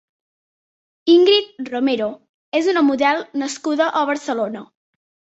Ingrid Romero és una model nascuda a Barcelona.